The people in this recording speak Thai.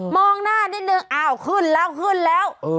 องหน้านิดนึงอ้าวขึ้นแล้วขึ้นแล้ว